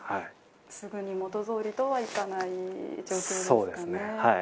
すぐに元通りとはいかない状況ですね。